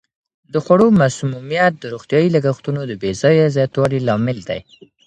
د خوړو مسمومیت د روغتیايي لګښتونو د بې ځایه زیاتوالي لامل دی.